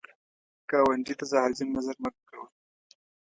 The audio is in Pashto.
ګاونډي ته زهرجن نظر مه کوه